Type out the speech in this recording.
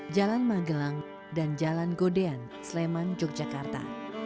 jalan magelang dan jalan godean sleman yogyakarta